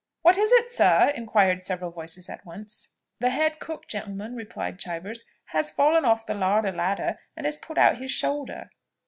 "What is it, sir?" inquired several voices at once. "The head cook, gentlemen," replied Chivers, "has fallen off the larder ladder, and has put out his shoulder."